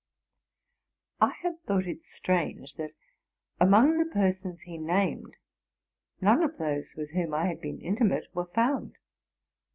'? I had thought. it strange, that, among the persons he named, none of those with whom I had been intimate were found.